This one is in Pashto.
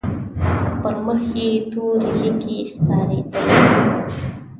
پر مخ يې تورې ليکې ښکارېدلې.